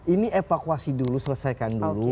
ini evakuasi dulu selesaikan dulu